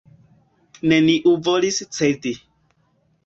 Neniu volis cedi.